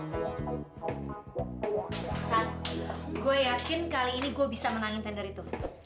aku yakin kali ini gue bisa menangin tender itu